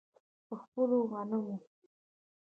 په خپلو غنمو.